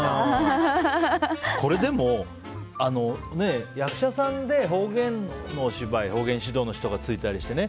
でも、役者さんで方言のお芝居方言指導の人がついたりしてね。